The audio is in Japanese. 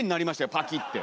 パキッて。